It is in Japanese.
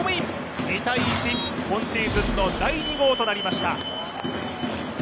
２−１、今シーズンの第２号となりました。